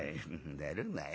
「寝るなよ。